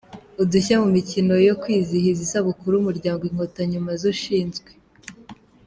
Udushya mu mikino yo kwizihiza isabukuru umuryango Inkotanyi umaze ushinzwe